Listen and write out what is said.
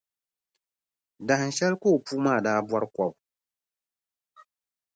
Dahinshɛli ka o puu maa daa bɔri kɔbu.